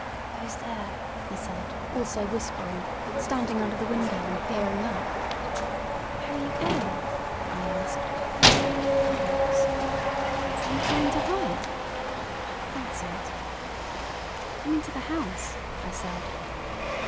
"Who's there?" he said, also whispering, standing under the window and peering up. "Where are you going?" I asked. "God knows." "Are you trying to hide?" "That's it." "Come into the house," I said.